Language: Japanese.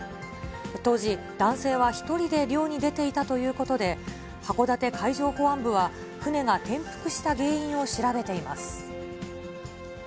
当時、男性は１人で漁に出ていたということで、函館海上保安部は、船が転覆した原因を調べています。